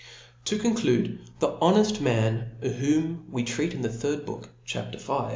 ^ To conclude^ the boneji man of whom we treat in the^ third book j chap. v.